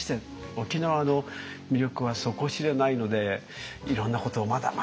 沖縄の魅力は底知れないのでいろんなことをまだまだ知りたい。